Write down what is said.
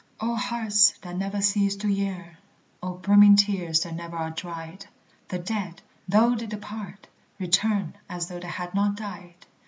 O hearts that never cease to yearn! O brimming tears that ne'er are dried! The dead, though they depart, return As though they had not died!